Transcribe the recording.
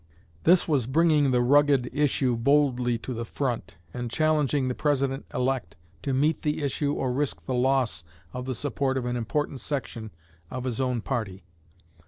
"This was bringing the rugged issue boldly to the front, and challenging the President elect to meet the issue or risk the loss of the support of an important section of his own party.